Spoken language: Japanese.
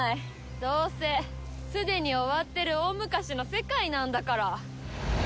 どうせすでに終わってる大昔の世界なんだから。